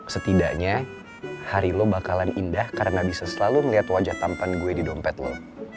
setidaknya hari lo bakalan indah karena bisa selalu melihat wajah tampan gue di dompet lo